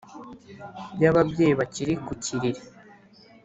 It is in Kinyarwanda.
y’ababyeyi bakiri ku kiriri